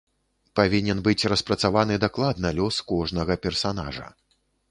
Павінен быць распрацаваны дакладна лёс кожнага персанажа.